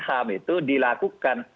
ham itu dilakukan